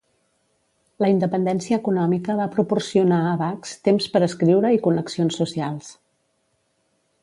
La independència econòmica va proporcionar a Bax temps per escriure i connexions socials.